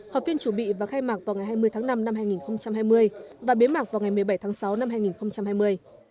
họp phiên chủ bị và khai mạc vào ngày hai mươi tháng năm năm hai nghìn hai mươi và bế mạc vào ngày một mươi bảy tháng sáu năm hai nghìn hai mươi